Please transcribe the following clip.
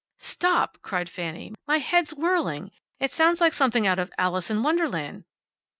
"Stop!" cried Fanny. "My head's whirling. It sounds like something out of `Alice in Wonderland.'"